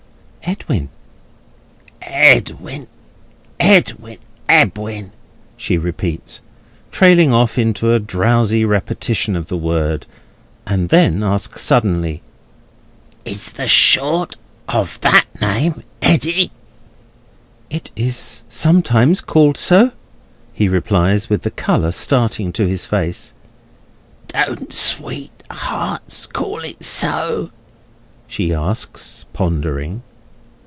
"Edwin." "Edwin, Edwin, Edwin," she repeats, trailing off into a drowsy repetition of the word; and then asks suddenly: "Is the short of that name Eddy?" "It is sometimes called so," he replies, with the colour starting to his face. "Don't sweethearts call it so?" she asks, pondering.